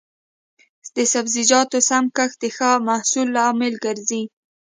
د سبزیجاتو سم کښت د ښه محصول لامل ګرځي.